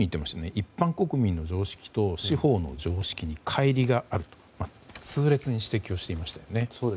一般国民の常識と司法の常識に乖離があると痛烈に指摘をしていましたよね。